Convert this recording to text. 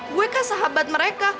gue kan sahabat mereka